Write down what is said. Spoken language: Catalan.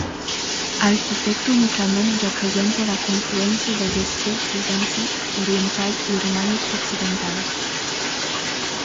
Arquitectònicament, representen la confluència dels estils bizantí oriental i romànic occidental.